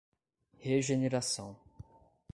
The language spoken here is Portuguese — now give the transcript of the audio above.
Regeneração